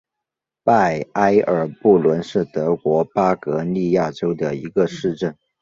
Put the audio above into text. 拜埃尔布伦是德国巴伐利亚州的一个市镇。